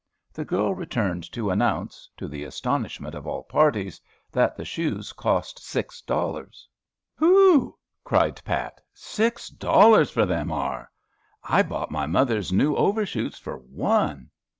The girl returned to announce, to the astonishment of all parties, that the shoes cost six dollars. "Hew!" cried Pat, "six dollars for them are! I bought my mother's new over shoes for one."